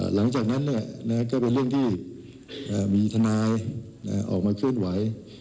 หลังจากนั้นก็เป็นเรื่องที่มีทนายออกมาเคลื่อนไหว